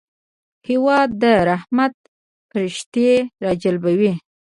هېواد د رحمت پرښتې راجلبوي.